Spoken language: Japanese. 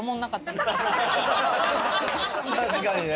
確かにね。